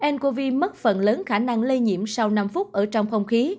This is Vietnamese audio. ncov mất phần lớn khả năng lây nhiễm sau năm phút ở trong không khí